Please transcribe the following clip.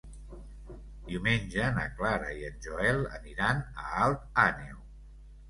Diumenge na Clara i en Joel aniran a Alt Àneu.